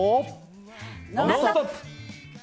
「ノンストップ！」。